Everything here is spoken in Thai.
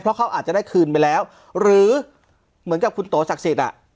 เพราะเขาอาจจะได้คืนไปแล้วหรือเหมือนกับคุณโตศักดิ์สิทธิ์อ่ะ